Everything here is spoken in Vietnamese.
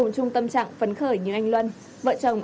nó cũng dễ quản lý hơn